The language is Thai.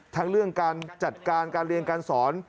ทั้งเรื่องการจัดการการเรียนการสอน